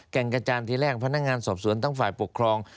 แก่งกระจานทีแรกพนักงานสอบสวนทั้งฝ่ายปกครอง